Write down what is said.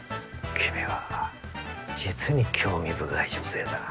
君は実に興味深い女性だ。